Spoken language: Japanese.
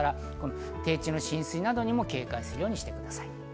低地の浸水などにも警戒するようにしてください。